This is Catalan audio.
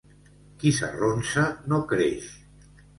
Qui s'arronsa no creix.